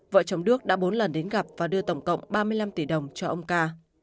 vợ chồng đức đã bốn lần đến gặp và đưa tổng cộng ba mươi năm tỷ đồng cho ông ca